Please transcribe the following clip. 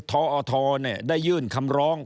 ทอทได้ยื่นคำร้อง